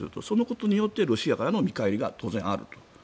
そのことによってロシアからの見返りが当然あると。